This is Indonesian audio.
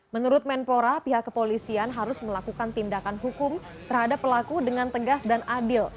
menurut menpora pihak kepolisian harus melakukan tindakan hukum terhadap pelaku dengan tegas dan adil